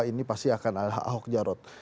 ini pasti akan ahok jarod